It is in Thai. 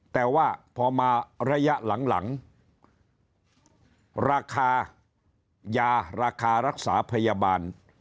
แต่ว่าพอมาระยะหลังราคายาราคารักษาพยาบาล